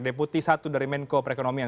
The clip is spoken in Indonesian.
deputi satu dari menko perekonomian